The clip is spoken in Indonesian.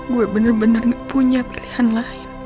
gue bener bener punya pilihan lain